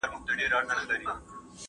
هغه څوک چي کالي مينځي روغ وي!!